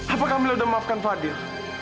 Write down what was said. apa kamila udah maafkan fadil